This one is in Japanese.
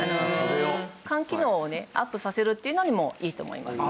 肝機能をアップさせるっていうのにもいいと思います。